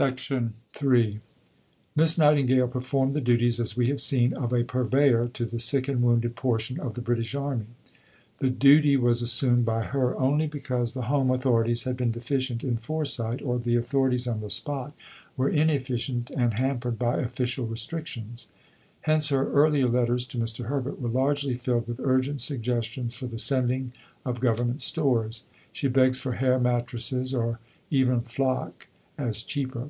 III Miss Nightingale performed the duties, as we have seen, of a Purveyor to the sick and wounded portion of the British army. The duty was assumed by her only because the home authorities had been deficient in foresight, or the authorities on the spot were inefficient and hampered by official restrictions. Hence her earlier letters to Mr. Herbert were largely filled with urgent suggestions for the sending of Government stores. She begs for "hair mattresses, or even flock, as cheaper."